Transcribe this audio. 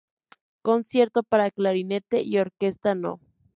Concierto para clarinete y orquesta no.